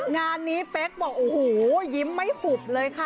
งานนี้เป๊กบอกโอ้โหยิ้มไม่หุบเลยค่ะ